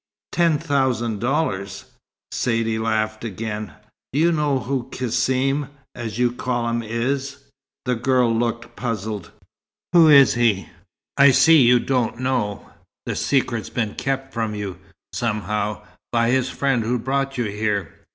"Ten thousand dollars!" Saidee laughed again. "Do you know who Cassim as you call him is?" The girl looked puzzled. "Who he is?" "I see you don't know. The secret's been kept from you, somehow, by his friend who brought you here.